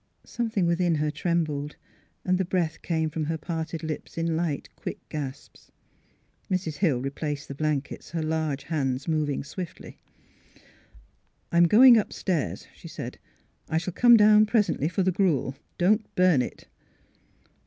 Something within her trembled; the breath came from her parted lips in light, quick gasps. Mrs. Hill replaced the blankets, her large hands moving swiftly. 254 THE HEART OF PHILURA i( I am going upstairs," she said. " I shall come down presently for the gruel. Don't burn it."